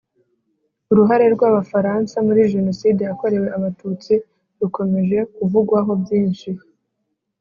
Uruhare rw’Abafaransa muri jenoside yakorewe abatutsi rukomeje kuvugwaho byinshi